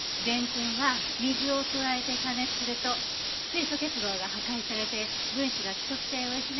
デンプンは水を加えて加熱すると水素結合が破壊されて分子が規則性を失い。